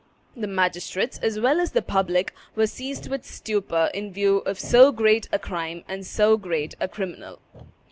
The magistrates, as well as the public, were seized with stupor in view of so great a crime and so great a criminal.